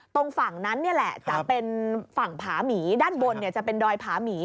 ตรงฝั่งนั้นจะเป็นฝั่งผามีด้านบนจะเป็นดอยผามี